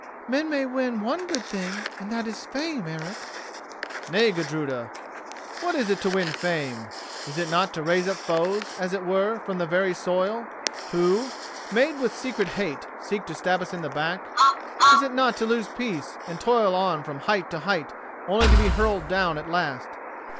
"Men may win one good thing, and that is fame, Eric." "Nay, Gudruda, what is it to win fame? Is it not to raise up foes, as it were, from the very soil, who, made with secret hate, seek to stab us in the back? Is it not to lose peace, and toil on from height to height only to be hurled down at last?